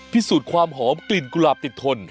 พิสูจน์ความหอมกลิ่นกุหลาบติดทน